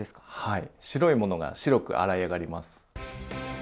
はい白いものが白く洗い上がります。